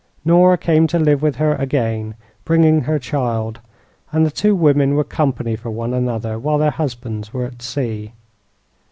Nora came to live with her again, bringing her child, and the two women were company for one another while their husbands were at sea.